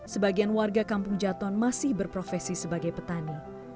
sebagian warga kampung jaton masih berprofesi sebagai petani